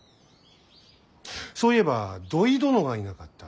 そういえば土肥殿がいなかった。